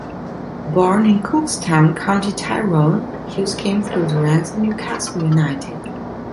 Born in Cookstown, County Tyrone, Hughes came through the ranks at Newcastle United.